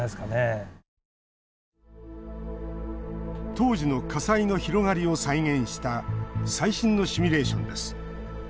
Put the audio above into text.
当時の火災の広がりを再現した最新のシミュレーションです。